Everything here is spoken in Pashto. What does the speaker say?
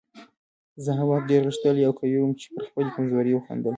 زه هغه وخت ډېر غښتلی او قوي وم چې پر خپلې کمزورۍ وخندل.